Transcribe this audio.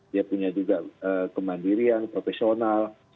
dia punya juga kemandirian profesional